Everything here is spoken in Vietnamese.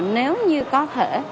nếu như có thể